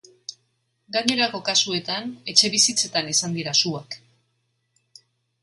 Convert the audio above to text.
Gainerako kasuetan, etxebizitzetan izan dira suak.